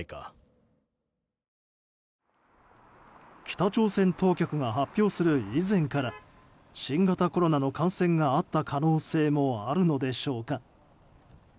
北朝鮮当局が発表する以前から新型コロナの感染があった可能性もあるのでしょうか。